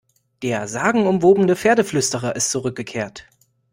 Der sagenumwobene Pferdeflüsterer ist zurückgekehrt!